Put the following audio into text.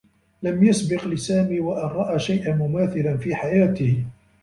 لم يسبق لسامي و أن رأى شيئا مماثلا في حياته.